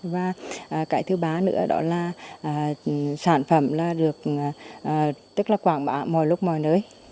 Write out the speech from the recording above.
và cái thứ ba nữa đó là sản phẩm là được tức là quảng bá mọi lúc mọi nơi